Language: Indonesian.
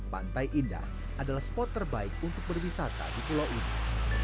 pantai indah adalah spot terbaik untuk berwisata di pulau ini